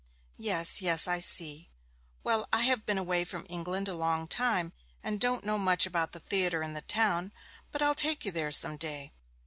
'Yes, yes, I see. Well, I have been away from England a long time, and don't know much about the theatre in the town; but I'll take you there some day.